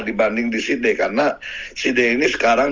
dibanding di sydney karena sydney ini sekarang